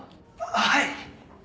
はい。